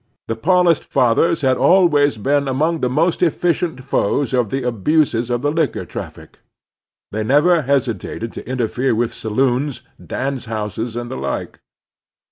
The Patdist Pathers had always been among the most 94 The Strenuous Life efficient foes of the abiises of the liquor traflSc. They never hesitated to interfere with saloons, dance houses, and the like.